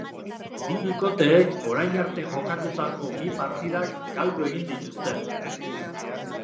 Bi bikoteek oerainarte jokatutako bi partidak galdu egin dituzte.